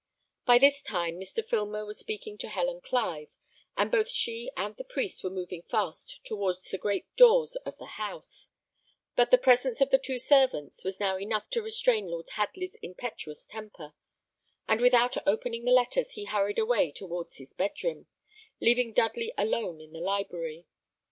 By this time Mr. Filmer was speaking to Helen Clive, and both she and the priest were moving fast towards the great doors of the house; but the presence of the two servants was now enough to restrain Lord Hadley's impetuous temper; and without opening the letters he hurried away towards his bed room, leaving Dudley alone in the library.